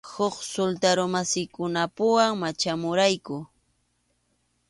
Huk sultarumasikunapuwan machamurayku.